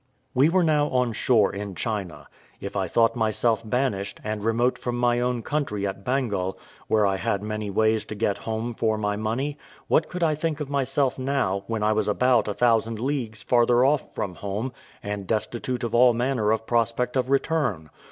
We were now on shore in China; if I thought myself banished, and remote from my own country at Bengal, where I had many ways to get home for my money, what could I think of myself now, when I was about a thousand leagues farther off from home, and destitute of all manner of prospect of return?